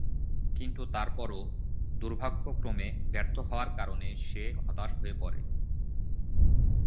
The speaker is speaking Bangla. কিন্তু তারপরও দুর্ভাগ্যক্রমে ব্যর্থ হওয়ার কারণে সে হতাশ হয়ে পড়ে।